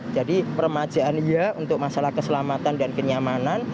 jadi permajaan iya untuk masalah keselamatan dan kenyamanan